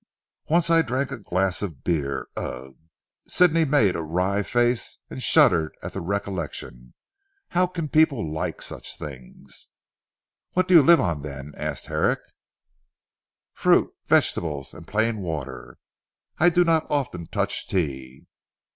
I once drank a glass of beer. Ugh!" Sidney made a wry face and shuddered at the recollection. "How can people like such things." "What do you live on then?" asked Herrick. "Fruit, vegetables and plain water. I do not often touch tea."